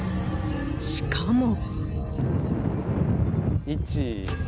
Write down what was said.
しかも。